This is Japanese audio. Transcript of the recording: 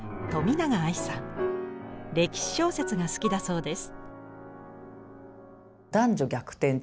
歴史小説が好きだそうです。